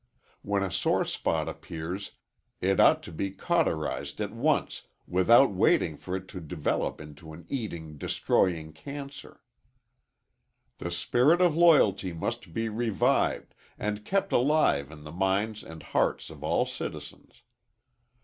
When a sore spot appears it ought to be cauterized at once without waiting for it to develop into an eating, destroying cancer. The spirit of loyalty must be revived and kept alive in the minds and hearts of all citizens.